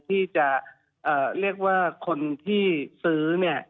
ที่จะเรียกว่าคนที่ซื้อ